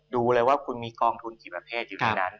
ดูเลยว่าคุณมีกองทุนกี่ประเภทอยู่ในนั้น